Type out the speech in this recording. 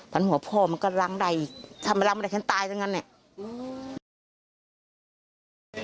ฟันหัวพ่อมันก็ล้างใดทำล้างใดฉันตายจังงั้นเนี่ย